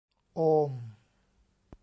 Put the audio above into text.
โอม